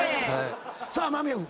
さあ間宮君。